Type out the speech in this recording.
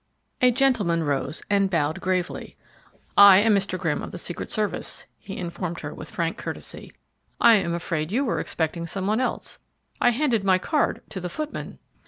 A gentleman rose and bowed gravely. "I am Mr. Grimm of the Secret Service," he informed her with frank courtesy. "I am afraid you were expecting some one else; I handed my card to the footman."